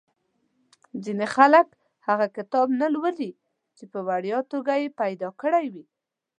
ځینې خلک هغه کتاب نه لولي چې په وړیا توګه یې پیدا کړی وي.